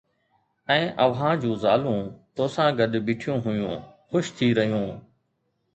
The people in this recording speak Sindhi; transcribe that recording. ۽ اوھان جون زالون توسان گڏ بيٺيون ھيون، خوش ٿي رھيون